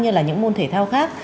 như những môn thể thao khác